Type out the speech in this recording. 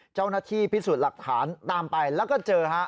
เจ้าหน้าที่พิสูจน์หลักฐานตามไปแล้วก็เจอฮะ